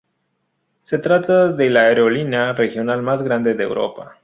Se trata de la aerolínea regional más grande de Europa.